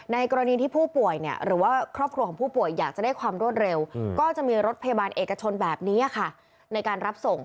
กรณีที่ผู้ป่วยหรือว่าครอบครัวของผู้ป่วยอยากจะได้ความรวดเร็วก็จะมีรถพยาบาลเอกชนแบบนี้ค่ะในการรับส่ง